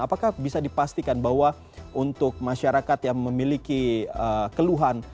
apakah bisa dipastikan bahwa untuk masyarakat yang memiliki keluhan